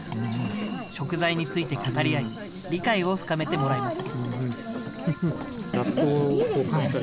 食材について語り合い、理解を深めてもらいます。